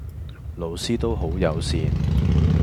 老師都好友善⠀